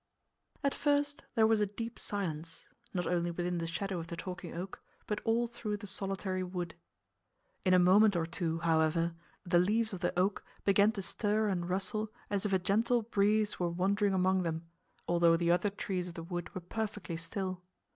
At first there was a deep silence, not only within the shadow of the Talking Oak, but all through the solitary wood. In a moment or two, however, the leaves of the oak began to stir and rustle as if a gentle breeze were wandering among them, although the other trees of the wood were perfectly still.